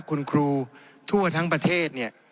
คุณครูทั่วทั้งประเทศเนี่ย